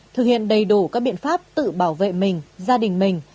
thực hiện đầy đủ các biện pháp tự bảo vệ mình gia đình mình